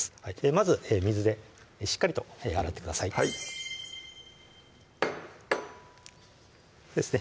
まず水でしっかりと洗ってくださいそうですね